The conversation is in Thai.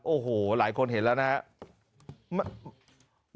โอ้โหหลายคนเห็นแล้วนะครับ